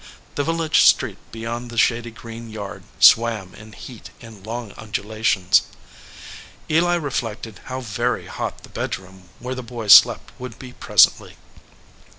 The vil lage street beyond the shady green yard swam in heat in long undulations. Eli reflected how very hot the bedroom where the boy slept would be pres ently.